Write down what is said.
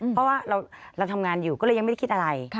เพราะว่าเราทำงานอยู่ก็เลยยังไม่ได้คิดอะไร